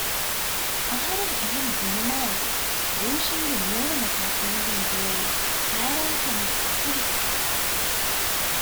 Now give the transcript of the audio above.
އަހަރެން އެހެން ބުނުމާއެކު ރޫޝިންގެ މޫނުމަތިން ފެނިގެން ދިޔައީ ހައިރާން ކަމުގެ އަސަރުތައް